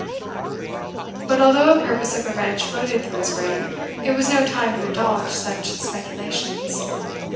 But although a purpose of revenge floated through his brain, it was no time to indulge such speculations.